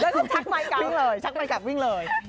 แล้วก็ชักไมกลับชักไมกลับวิ่งเลย